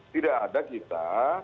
tidak ada kita